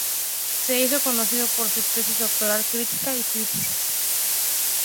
Se hizo conocido por su tesis doctoral "Crítica y crisis.